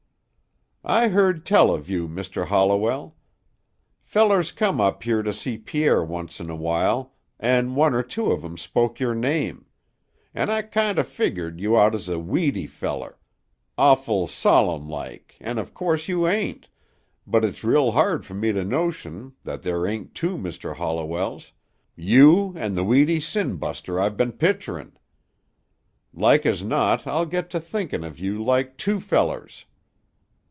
"I heerd tell of you, Mr. Holliwell. Fellers come up here to see Pierre once in a while an' one or two of 'em spoke your name. An' I kinder figured out you was a weedy feller, awful solemn like, an' of course you ain't, but it's real hard for me to notion that there ain't two Mr. Holliwells, you an' the weedy sin buster I've ben picturin'. Like as not I'll get to thinkin' of you like two fellers."